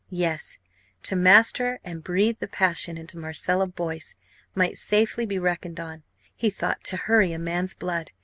Yes! to master and breathe passion into Marcella Boyce, might safely be reckoned on, he thought, to hurry a man's blood.